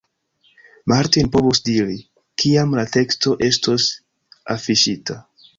Martin povus diri, kiam la teksto estos afiŝita.